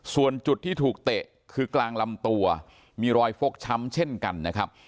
ส่วนจุดที่ถูกเตะคือกลางลำตัวมีรอยฟกช้ำเช่นกันนะครับ